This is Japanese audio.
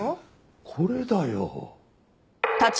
これだよ。